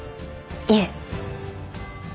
いえ。